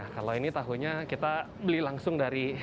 kalau ini tahunya kita beli langsung dari